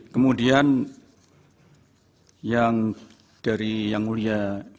kemudian yang dari yang mulia